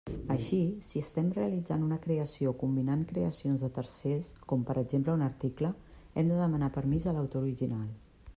Així, si estem realitzant una creació combinant creacions de tercers, com per exemple un article, hem de demanar permís a l'autor original.